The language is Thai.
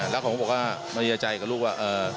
แล้วเขาบอกว่ามีใจกับลูกว่า